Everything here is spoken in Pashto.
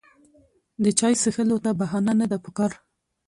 د چای څښلو ته بهانه نه ده پکار.